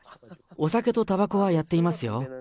お酒とたばこはやっていますよ。